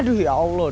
aduh ya allah